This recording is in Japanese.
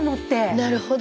なるほど。